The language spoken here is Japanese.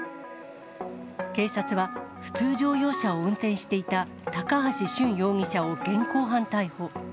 警察は、普通乗用車を運転していた、高橋俊容疑者を現行犯逮捕。